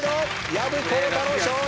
薮宏太の勝利！